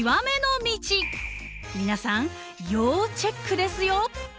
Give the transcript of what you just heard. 皆さん要チェックですよ。